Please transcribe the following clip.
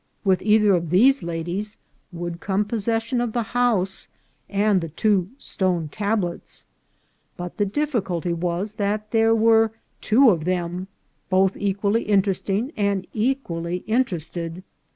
With either of these la dies would come possession of the house and the two stone tablets ; but the difficulty was that there were two of them, both equally interesting and equally interest ed.